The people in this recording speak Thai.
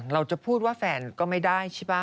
เราจะพูดว่าแฟนก็ไม่ได้ใช่ป่ะ